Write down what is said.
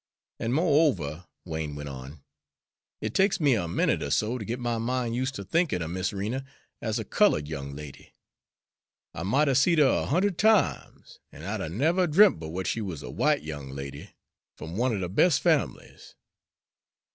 "An', mo'over," Wain went on, "it takes me a minute er so ter git my min' use' ter thinkin' er Mis' Rena as a cullud young lady. I mought 'a' seed her a hund'ed times, an' I'd 'a' never dreamt but w'at she wuz a w'ite young lady, f'm one er de bes' families."